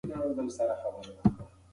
تاسي د کلتور په رڼا کې مزل وکړئ.